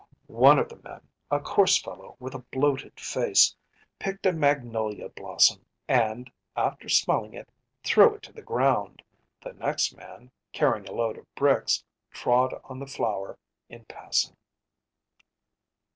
One of the men, a coarse fellow with a bloated face, picked a magnolia blossom and, after smelling it, threw it to the ground; the next man, carrying a load of bricks, trod on the flower in passing.